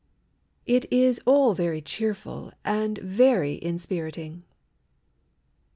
It is all very cheerful And very inspiriting.